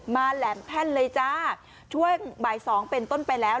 แหลมแท่นเลยจ้าช่วงบ่ายสองเป็นต้นไปแล้ว